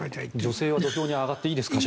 女性は土俵に上がっていいですか。